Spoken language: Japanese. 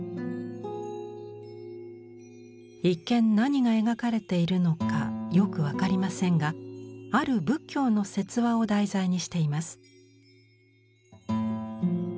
一見何が描かれているのかよく分かりませんがある仏教の説話を題材にしています。